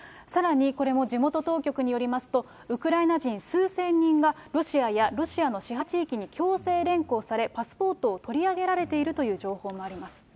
さらにこれも地元当局によりますと、ウクライナ人数千人が、ロシアやロシアの支配地域に強制連行され、パスポートを取り上げられているという情報もあります。